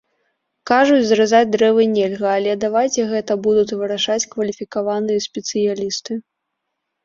Кажуць, зрэзаць дрэвы нельга, але давайце гэта будуць вырашаць кваліфікаваныя спецыялісты.